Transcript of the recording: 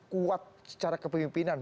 kuat secara kepemimpinan